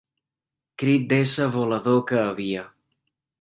Crit d'ésser volador que avia.